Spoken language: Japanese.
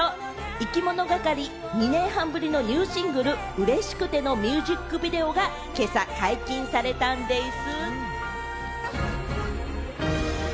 いきものがかり、２年半ぶりのニューシングル『うれしくて』のミュージックビデオが今朝、解禁されたんでぃす。